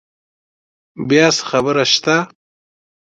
بیا څه خبره شته؟